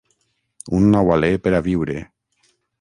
Un nou alé per a viure.